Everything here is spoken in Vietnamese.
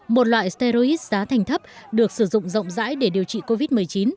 một loại seris giá thành thấp được sử dụng rộng rãi để điều trị covid một mươi chín